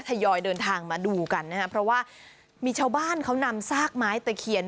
ยอยเดินทางมาดูกันนะครับเพราะว่ามีชาวบ้านเขานำซากไม้ตะเคียน